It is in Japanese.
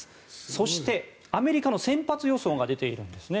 そして、アメリカの先発予想が出ているんですね。